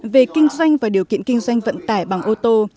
về kinh doanh và điều kiện kinh doanh vận tải bằng ô tô